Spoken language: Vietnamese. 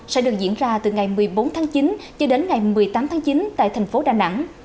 sẽ được diễn ra từ ngày một mươi bốn tháng chín cho đến ngày một mươi tám tháng chín tại thành phố đà nẵng